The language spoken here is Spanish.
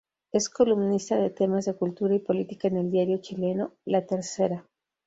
Es columnista de temas de cultura y política en el diario chileno "La Tercera".